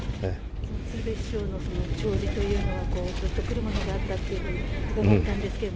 鶴瓶師匠のその弔辞というのは、ぐっと来るものがあったって伺ったんですけど。